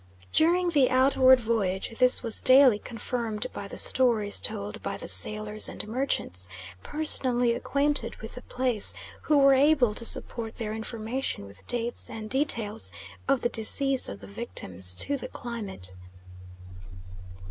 During the outward voyage this was daily confirmed by the stories told by the sailors and merchants personally acquainted with the place, who were able to support their information with dates and details of the decease of the victims to the climate.